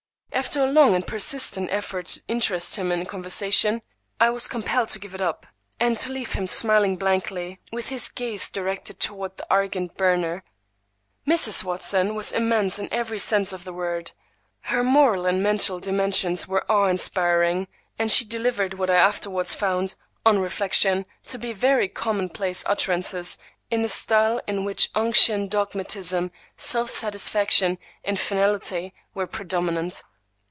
After a long and persistent effort to interest him in conversation, I was compelled to give it up, and to leave him smiling blankly, with his gaze directed toward the Argand burner. Mrs. Watson was immense in every sense of the word. Her moral and mental dimensions were awe inspiring; and she delivered what I afterwards found, on reflection, to be very commonplace utterances in a style in which unction, dogmatism, self satisfaction, and finality were predominant.